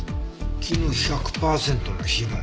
絹１００パーセントの紐。